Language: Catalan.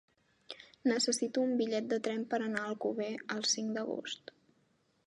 Necessito un bitllet de tren per anar a Alcover el cinc d'agost.